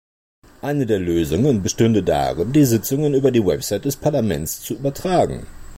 Eine der Lösungen bestünde darin, die Sitzungen über die Website des Parlaments zu übertragen.